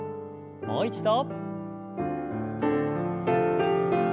もう一度。